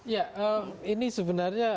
ya ini sebenarnya